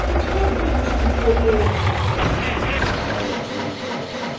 Return him to me, 0 Lord!" Silence reigned again.